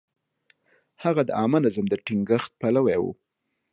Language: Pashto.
هغه د عامه نظم د ټینګښت پلوی و.